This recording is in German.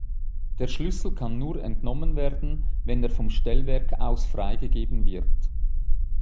Der Schlüssel kann nur entnommen werden, wenn er vom Stellwerk aus freigegeben wird.